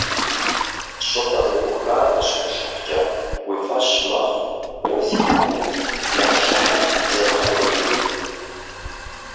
ЩӀыпӀэ зэӀухар къыщуплъыхькӀэ, уи фӀэщ мэхъу уэ зи кум уит нэплъыхьыр зэрыхъурейм.